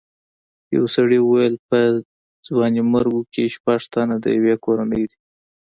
یو سړي وویل په ځوانیمرګو کې شپږ تنه د یوې کورنۍ دي.